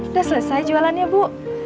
udah selesai jualannya bu